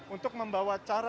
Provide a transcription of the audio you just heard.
untuk membawa cara barang